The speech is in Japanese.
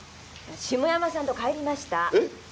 下山さんと帰りましたえっ？